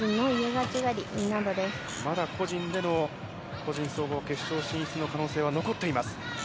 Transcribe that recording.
まだ個人での個人総合決勝進出の可能性は残っています。